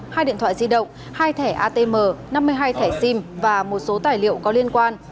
hai điện thoại di động hai thẻ atm năm mươi hai thẻ sim và một số tài liệu có liên quan